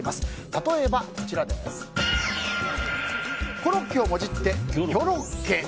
例えば、コロッケをもじって魚ロッケ。